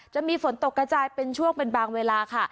จะมีฝนตกกระจายเป็นช่วงเป็นบางเวลาค่ะ